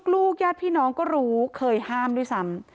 ญาติพี่น้องก็รู้เคยห้ามด้วยซ้ำ